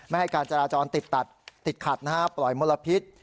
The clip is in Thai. ให้การจราจรติดตัดติดขัดนะฮะปล่อยมลพิษ